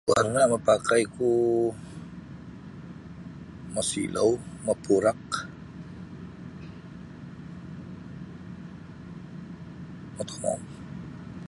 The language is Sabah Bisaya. Warna' mapakaiku mosilou mopurak motomou.